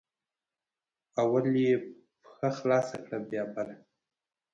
اول یې یوه پښه خلاصه کړه بیا بله